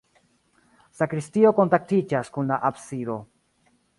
Sakristio kontaktiĝas kun la absido.